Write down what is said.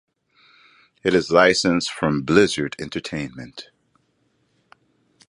It is licensed from Blizzard Entertainment.